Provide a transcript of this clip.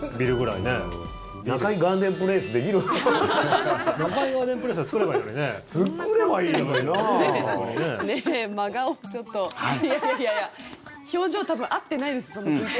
いやいやいや、表情多分合ってないです、ＶＴＲと。